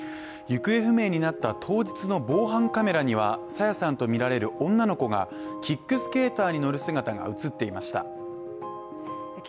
行方不明になった当日の防犯カメラには朝芽さんとみられる女の子がキックスケーターに乗る姿が映っていました。